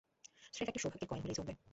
স্রেফ একটা সৌভাগ্যের কয়েন হলেই চলবে।